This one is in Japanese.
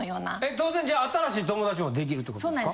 当然じゃあ新しい友達も出来るってことですか？